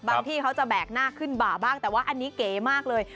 ที่เขาจะแบกหน้าขึ้นบ่าบ้างแต่ว่าอันนี้เก๋มากเลย